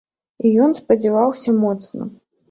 І ён спадзяваўся моцна.